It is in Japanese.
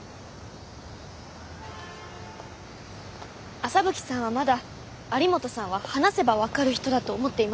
麻吹さんはまだ有本さんは話せば分かる人だと思っていますか？